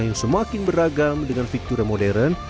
yang semakin beragam dengan fitur yang modern